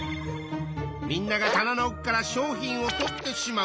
みんなが棚の奥から商品を取ってしまうと。